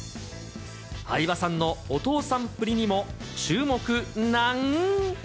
相葉さんのお父さんっぷりにも注目なん。